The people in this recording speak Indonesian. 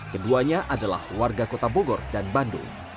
keduanya adalah warga kota bogor dan bandung